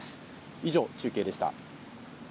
以上、中継でした。